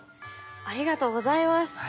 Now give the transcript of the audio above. ありがとうございます。